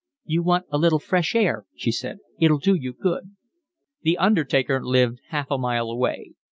"You want a little fresh air," she said, "it'll do you good." The undertaker lived half a mile away.